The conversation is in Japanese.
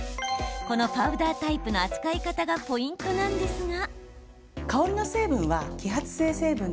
このパウダータイプの扱い方がポイントなんですが。